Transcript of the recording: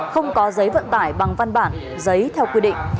không có giấy vận tải bằng văn bản giấy theo quy định